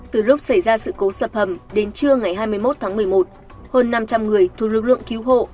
từ lúc xảy ra sự cố sập hầm đến trưa ngày hai mươi một tháng một mươi một hơn năm trăm linh người thuộc lực lượng cứu hộ